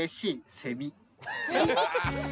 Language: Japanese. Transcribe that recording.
セミ？